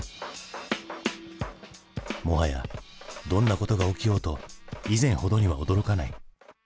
もはやどんなことが起きようと以前ほどには驚かない。